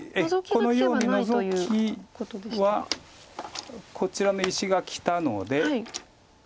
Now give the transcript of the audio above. このようにノゾキはこちらに石がきたので。